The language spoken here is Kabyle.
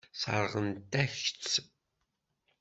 Sseṛɣent-ak-tt.